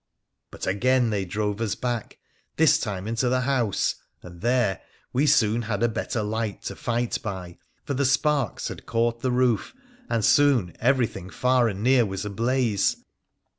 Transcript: But again they drove us back, this time into the house, and there we soon had a better light to fight by, for the sparks had caught the roof, and soon everything far and near was ablaze.